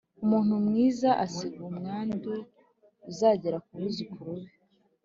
umuntu mwiza asiga umwandu uzagera ku buzukuru be